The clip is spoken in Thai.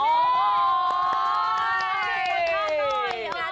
อร์ร์รร์ที่จะกดเข้าหน่อย